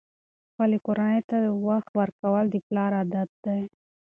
خپلې کورنۍ ته وخت ورکول د پلار عادت دی.